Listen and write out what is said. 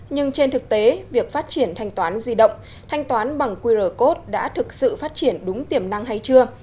nhưng trên thực tế việc phát triển thanh toán di động thanh toán bằng qr code đã thực sự phát triển đúng tiềm năng hay chưa